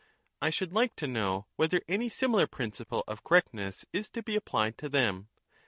I should like to know whether any similar principle of cor rectness is to be apphed to them.